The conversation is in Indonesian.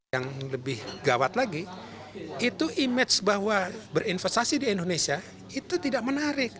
yang lebih gawat lagi itu image bahwa berinvestasi di indonesia itu tidak menarik